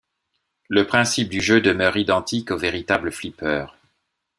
Le principe de jeu demeure identique au véritable flipper.